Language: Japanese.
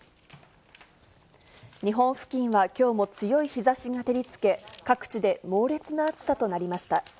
日本付近はきょうも強い日ざしが照りつけ、各地で猛烈な暑さとなりました。